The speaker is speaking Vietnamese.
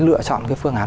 lựa chọn cái phương án